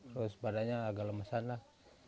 terus badannya agak lemesan lah